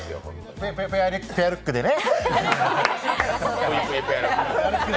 ぺ、ぺ、ペ、ペアルックでね。